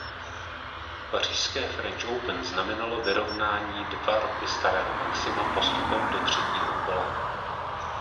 Pařížské French Open znamenalo vyrovnání dva roky starého maxima postupem do třetího kola.